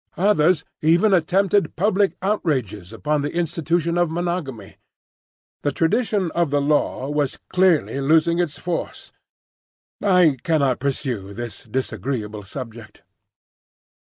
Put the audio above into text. Others even attempted public outrages upon the institution of monogamy. The tradition of the Law was clearly losing its force. I cannot pursue this disagreeable subject.